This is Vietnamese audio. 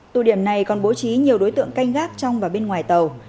tụ điểm này còn bố trí nhiều đối tượng canh gác trong và bên ngoài tàu